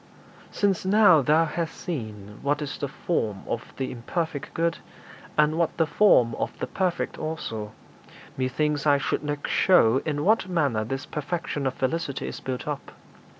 X. 'Since now thou hast seen what is the form of the imperfect good, and what the form of the perfect also, methinks I should next show in what manner this perfection of felicity is built up.